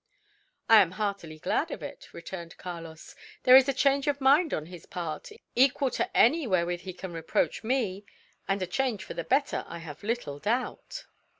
"I am heartily glad of it," returned Carlos. "There is a change of mind on his part, equal to any wherewith he can reproach me; and a change for the better, I have little doubt."